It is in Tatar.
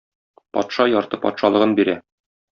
Патша ярты патшалыгын бирә.